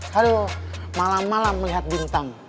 halo malam malam melihat bintang